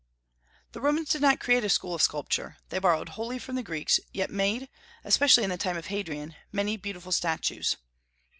The Romans did not create a school of sculpture. They borrowed wholly from the Greeks, yet made, especially in the time of Hadrian, many beautiful statues.